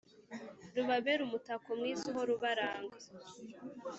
rubabere umutako mwiza uhora ubaranga